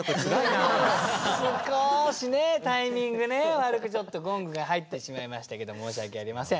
悪くちょっとゴングが入ってしまいましたけど申し訳ありません。